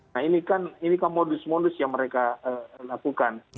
nah ini kan modus modus yang mereka lakukan